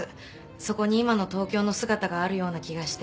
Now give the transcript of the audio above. そこに今の東京の姿があるような気がして。